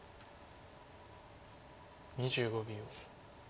２５秒。